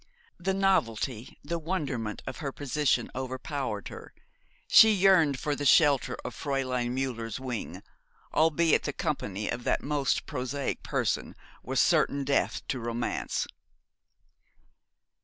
The novelty, the wonderment of her position overpowered her. She yearned for the shelter of Fräulein Müller's wing, albeit the company of that most prosaic person was certain death to romance.